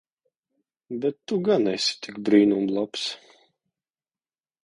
Bet tu gan esi tik brīnum labs.